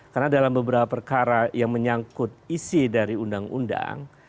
karena dalam beberapa perkara yang menyangkut isi dari undang undang